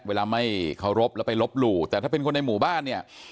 ไม่เคารพแล้วไปลบหลู่แต่ถ้าเป็นคนในหมู่บ้านเนี่ย